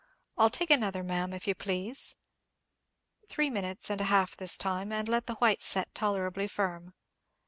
—"I'll take another, ma'am, if you please. Three minutes and a half this time, and let the white set tolerably firm."